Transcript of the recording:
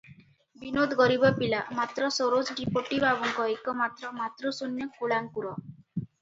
ବିନୋଦ ଗରିବ ପିଲା; ମାତ୍ର ସରୋଜ ଡିପୋଟି ବାବୁଙ୍କ ଏକମାତ୍ର ମାତୃଶୂନ୍ୟ କୁଳାଙ୍କୁର ।